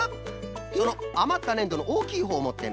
そのあまったねんどのおおきいほうをもってな。